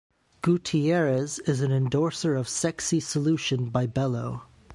Gutierrez is an endorser of Sexy Solution by Belo.